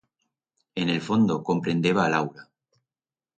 En el fondo comprendeba a Laura.